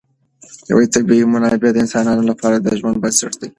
طبیعي منابع د انسانانو لپاره د ژوند بنسټ دی.